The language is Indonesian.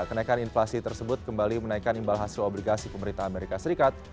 kenaikan inflasi tersebut kembali menaikkan imbal hasil obligasi pemerintah amerika serikat